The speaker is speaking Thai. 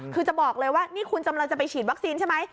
คือจะบอกเลยว่านี่คุณกำลังจะไปฉีดวัคซีนใช่ไหม